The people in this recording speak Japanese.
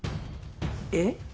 えっ？